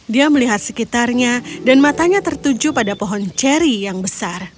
dia melihat sekitarnya dan matanya tertuju pada pohon ceri yang besar